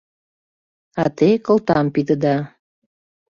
А те — кылтам пидыда.